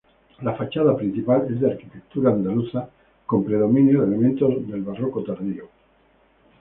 La fachada principal es de arquitectura andaluza con predominio de elementos barrocos tardíos.